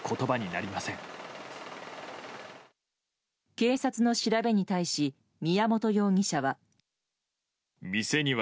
警察の調べに対し宮本容疑者は。